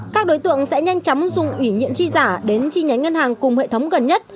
các đối tượng sẽ nhanh chóng dùng ủy nhiệm chi giả đến chi nhánh ngân hàng cùng hệ thống gần nhất